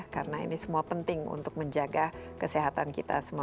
karena ini semua penting untuk menjaga kesehatan kita semua